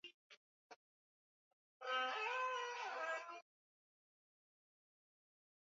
Kuunda serikali ya majimbo